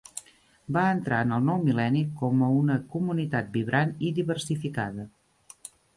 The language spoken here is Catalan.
Va entrar en el nou mil·lenni com a una comunitat vibrant i diversificada.